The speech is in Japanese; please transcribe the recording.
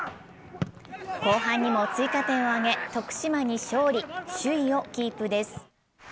後半にも追加点を挙げ、徳島に勝利首位をキープです。